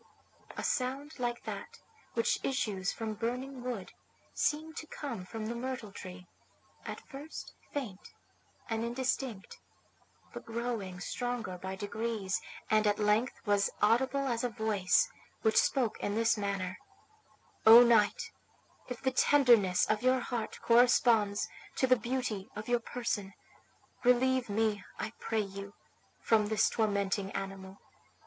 A sound like that which issues from burning wood seemed to come from the myrtle tree, at first faint and indistinct, but growing stronger by degrees, and at length was audible as a voice which spoke in this manner: "O knight, if the tenderness of your heart corresponds to the beauty of your person, relieve me, I pray you, from this tormenting animal.